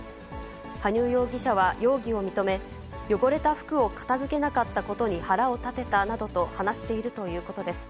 羽生容疑者は容疑を認め、汚れた服を片づけなかったことに腹を立てたなどと話しているということです。